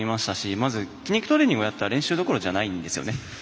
まず筋力トレーニングやったら練習どころじゃないんですね。